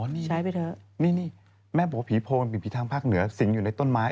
นี่ใช้ไปเถอะนี่แม่บอกว่าผีโพงผีทางภาคเหนือสิงอยู่ในต้นไม้